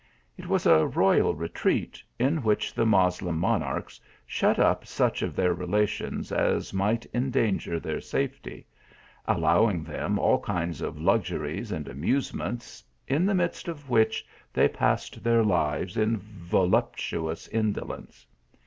It was a royal retreat, in which the Moslem mon archs shut up such of their relations as might en danger their safety ; allowing them all kinds of lux uries and amusements, in the midst of which they passed their lives in voluptuous indolence.